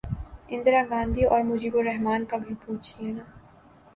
اندرا گاندھی اور مجیب الر حمن کا بھی پوچھ لینا